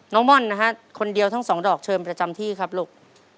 ม่อนนะฮะคนเดียวทั้งสองดอกเชิญประจำที่ครับลูก